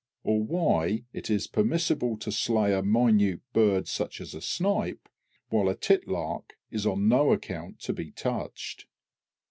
Or why it is permissible to slay a minute bird such as a snipe, while a titlark is on no account to be touched.